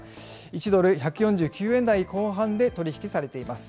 １ドル１４９円台後半で取り引きされています。